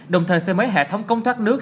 đồng thời xây mới hệ thống công thoát nước